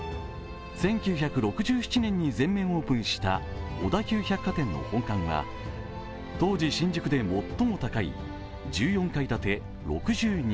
１９６７年に全面オープンした小田急百貨店の本館は当時、新宿で最も高い１４階建て６２ｍ。